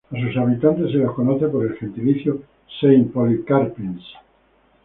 A sus habitantes se les conoce por el gentilicio "Saint-Polycarpiens".